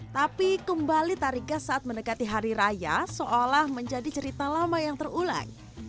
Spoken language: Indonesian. tapi kembali tarika saat mendekati hari raya seolah menjadi cerita lama yang terulang